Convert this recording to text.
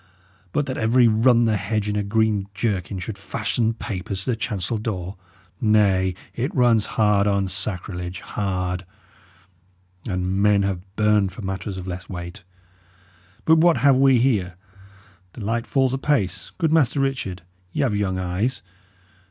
But that every run the hedge in a green jerkin should fasten papers to the chancel door nay, it runs hard on sacrilege, hard; and men have burned for matters of less weight. But what have we here? The light falls apace. Good Master Richard, y' have young eyes.